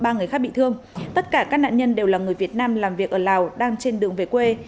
ba người khác bị thương tất cả các nạn nhân đều là người việt nam làm việc ở lào đang trên đường về quê